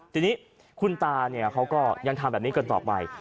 ทีนี้คุณตาเขาก็ยังทำแบบนี้กันต่อไป